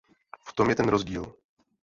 V tom je ten rozdíl!